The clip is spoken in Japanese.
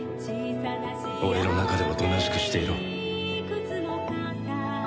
俺の中でおとなしくしていろ。